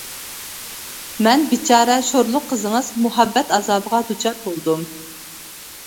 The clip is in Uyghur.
مەن بىچارە شورلۇق قىزىڭىز مۇھەببەت ئازابىغا دۇچار بولدۇم.